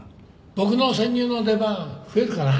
僕の潜入の出番増えるかな？